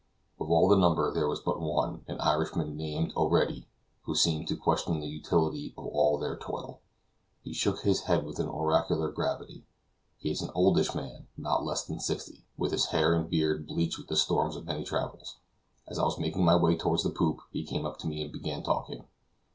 Of all the number, there was but one, an Irishman, named O'Ready, who seemed to question the utility of all their toil. He shook his head with an oracular gravity. He is an oldish man, not less than sixty, with his hair and beard bleached with the storms of many travels. As I was making my way toward the poop, he came up to me and began talking.